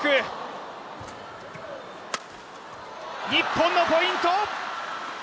日本のポイント！